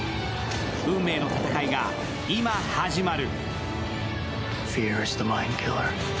運命の戦いが今始まる！